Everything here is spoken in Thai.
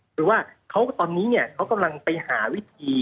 คือว่าเขาตอนนี้เนี่ยเขากำลังไปหาวิธี